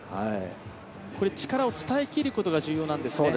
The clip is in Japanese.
力を伝えきることが重要なんですね。